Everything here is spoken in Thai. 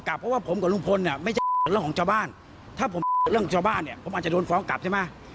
ถ้าผมแบบเรื่องของชาวบ้านผมอาจจะโดนฟ้องกลับใช่ไหม